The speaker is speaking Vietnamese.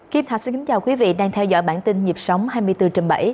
kịp thả xin kính chào quý vị đang theo dõi bản tin nhịp sống hai mươi bốn trên bảy